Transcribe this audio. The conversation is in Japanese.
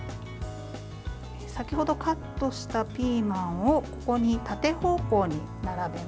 先ほどカットしたピーマンをここに縦方向に並べます。